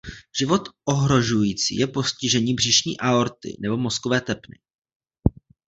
Život ohrožující je postižení břišní aorty nebo mozkové tepny.